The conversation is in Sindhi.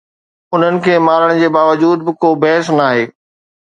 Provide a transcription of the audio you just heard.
انهن کي مارڻ جي باوجود به ڪو بحث ناهي